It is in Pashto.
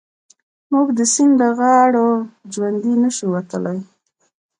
موږ د سيند له غاړو ژوندي نه شو وتلای.